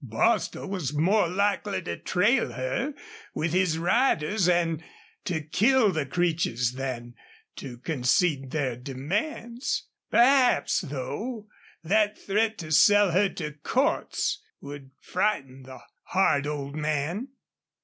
Bostil was more likely to trail her with his riders and to kill the Creeches than to concede their demands. Perhaps, though, that threat to sell her to Cordts would frighten the hard old man.